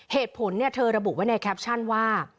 เหตุผลเธอระบุไว้ในแคปชั่นว่า